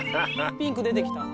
ピンク出てきた。